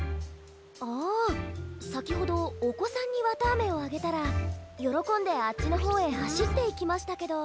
ああさきほどおこさんにわたあめをあげたらよろこんであっちのほうへはしっていきましたけど。